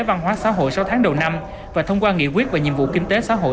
văn hóa xã hội sáu tháng đầu năm và thông qua nghị quyết về nhiệm vụ kinh tế xã hội